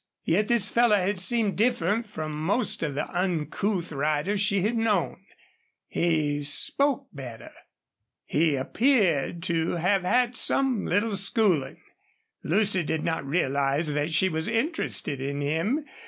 Yet this fellow had seemed different from most of the uncouth riders she had known. He spoke better. He appeared to have had some little schooling. Lucy did not realize that she was interested in him.